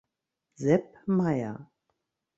Sepp Meier